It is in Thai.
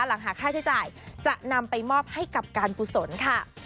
หลังหาค่าใช้จ่ายจะนำไปมอบให้กับการกุศลค่ะ